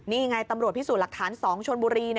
นี่ไงตำรวจพิสูจน์หลักฐาน๒ชนบุรี